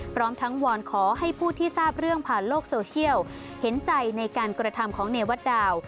พร้อมทั้งวอนขอให้ผู้ที่ทราบเรื่องผ่านโลกโซเชียลเห็นใจในการกระทำของเนวัตดาว